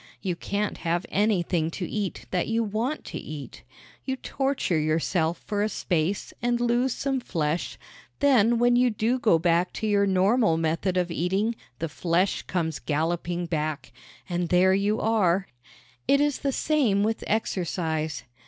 You can't have anything to eat that you want to eat. You torture yourself for a space and lose some flesh; then when you do go back to your normal method of eating the flesh comes galloping back and there you are! It is the same with exercise.